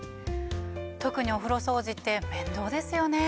特にお風呂掃除って面倒ですよね。